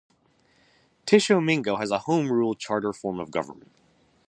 Tishomingo has a home-rule charter form of government.